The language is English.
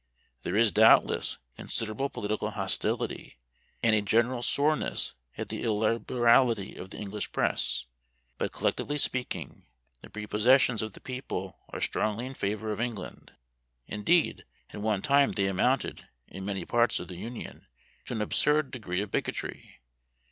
There is, doubtless, considerable political hostility, and a general soreness at the illiberality of the English press; but, collectively speaking, the prepossessions of the people are strongly in favor of England. Indeed, at one time they amounted, in many parts of the Union, to an absurd degree of bigotry.